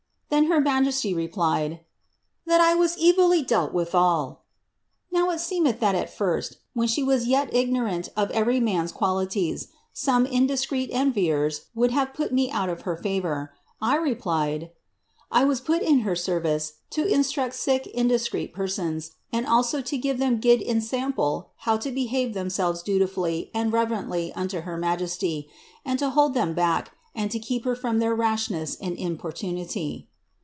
Then her majesty replied, ^That I was evilly dealt withal.' Now it seemeth that at first, when she was as yet igno xant of every man's qualities, some indiscreet enviers would have put me out of her favour. I replied, ^ 1 was put in her service to instruct sic indiscreet persons, and also to give them guid ensample how to behave themselves dutifully and reverently unto her majesty, and to hold them back, and to keep her from their rashness and importunity.'